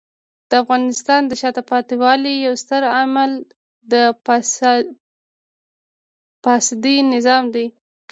د افغانستان د شاته پاتې والي یو ستر عامل د فسادي نظام دی.